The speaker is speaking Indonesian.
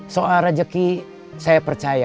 soal rezeki saya percaya